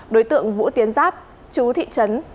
đối tượng vũ tiến giáp chú thị trấn